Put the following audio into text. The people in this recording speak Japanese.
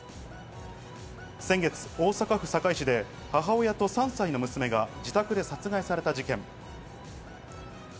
先月、大阪府堺市で母親と３歳の娘が自宅で殺害された事件。